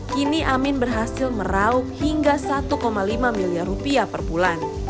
kini amin berhasil merauk hingga satu lima miliar rupiah per bulan